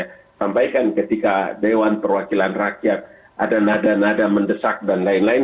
saya sampaikan ketika dewan perwakilan rakyat ada nada nada mendesak dan lain lain